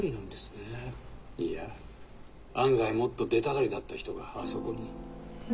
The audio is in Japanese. いや案外もっと出たがりだった人があそこに。